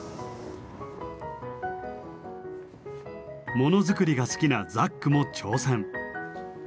ものづくりが好きなザックも挑戦。